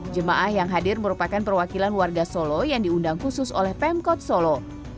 jemaah yang hadir merupakan perwakilan warga solo yang diundang khusus oleh pemkot solo